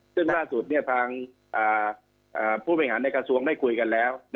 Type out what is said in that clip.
ซึ่งมาสุดเนี่ยทางผู้บัญหาในกระทรวงไม่คุยกันแล้ว